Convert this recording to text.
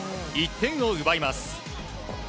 １点を奪います。